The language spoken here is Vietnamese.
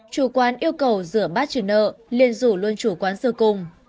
chủ quán yêu cầu rửa bát trừ nợ liên rủ luôn chủ quán rửa cùng